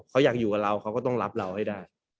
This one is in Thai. เขาอยากอยู่กับเราเขาก็ต้องรับเราให้ได้